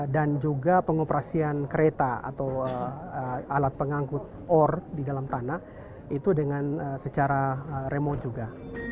dan juga pengoperasian kereta atau alat pengangkut ore di dalam tanah itu dengan secara remote juga